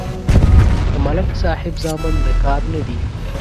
د ملک صاحب زامن د کار نه دي.